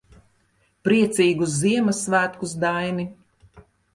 Priecīgus Ziemassvētkus, Daini.